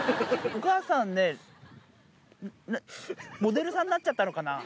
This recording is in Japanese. お母さんね、モデルさんになっちゃったのかな。